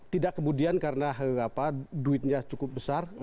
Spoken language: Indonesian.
tidak kemudian karena duitnya cukup besar